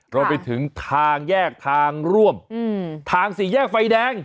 รวมไปถึงทางแยกทางร่วมทางสี่แยกไฟแดง